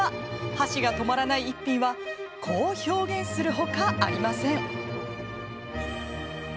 箸が止まらない逸品はこう表現する他ありません。